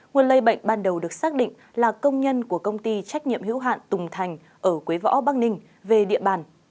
nguồn lây bệnh ban đầu được xác định là công nhân của công ty trách nhiệm hữu hạn tùng thành ở quế võ bắc ninh về địa bàn